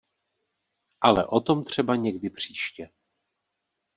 Ale o tom třeba někdy příště.